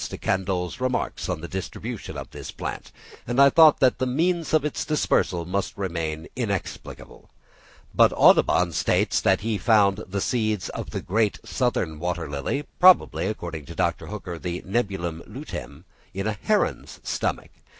de Candolle's remarks on the distribution of this plant, I thought that the means of its dispersal must remain inexplicable; but Audubon states that he found the seeds of the great southern water lily (probably according to Dr. Hooker, the Nelumbium luteum) in a heron's stomach.